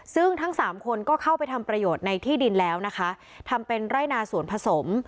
ซึ่งทั้งสามคนก็เข้าไปทำประโยชน์ในที่ดินแล้วนะคะทำเป็นไร่นาสวนผสม